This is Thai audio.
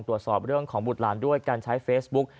ตรวจสอบเรื่องของบุตรหลานด้วยการใช้เฟซบุ๊ก